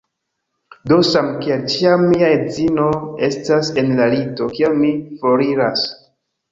Do, samkiel ĉiam mia edzino estas en la lito, kiam mi foriras